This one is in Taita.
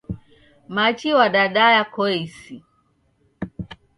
Machi wadadaya koisi.